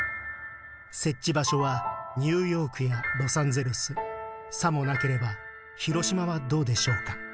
設置場所はニューヨークやロサンゼルスさもなければ広島はどうでしょうか」。